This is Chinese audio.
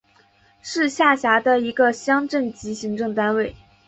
是下辖的一个乡镇级行政单位。